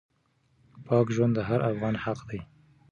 پاک ژوند د هر افغان حق دی.